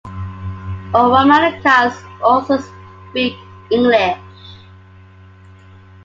All Romanichals also speak English.